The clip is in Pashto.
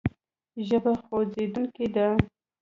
ژبه خوځېدونکې ده.